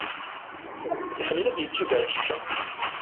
Iḥemmel ad yečč iberčečča.